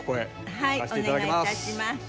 はいお願い致します。